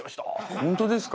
本当ですか？